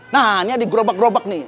nah ini ada gerobak gerobak nih